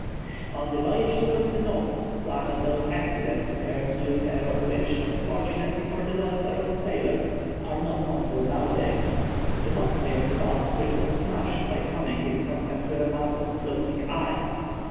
On the voyage towards the North, one of those accidents occurred to the Terror which, fortunately for the welfare of sailors, are not possible nowadays. The bobstay of the bowsprit was smashed by coming in contact with a mass of floating ice.